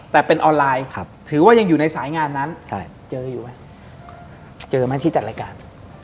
แต่เป็นออนไลน์ถือว่ายังอยู่ในสายงานนั้นเจออยู่ไหมเจอไหมที่จัดรายการ